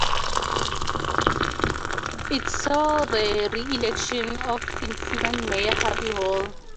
It saw the reelection of incumbent mayor Harvey Hall.